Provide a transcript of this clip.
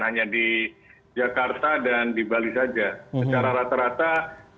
hanya di jakarta dan di balai lantai